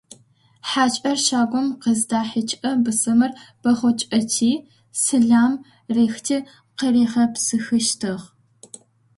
Хьакӏэр щагум къыздахьэкӏэ бысымыр пэгъокӏти, сэлам рихти къыригъэпсыхыщтыгъ.